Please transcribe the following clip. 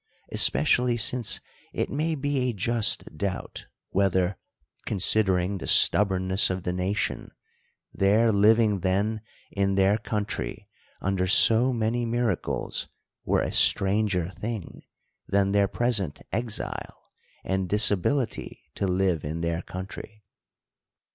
especially since it may be a just doubt, whether, considering the stub bornness of the nation, their living then in their country under so many miracles were a stranger thing, than their present exile, and disabihty to live in their country.